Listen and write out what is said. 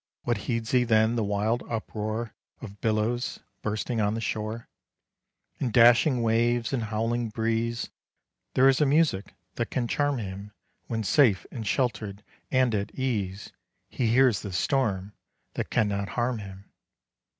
What heeds he then the wild uproar Of billows bursting on the shore? In dashing waves, in howling breeze, There is a music that can charm him; When safe, and sheltered, and at ease, He hears the storm that cannot harm him.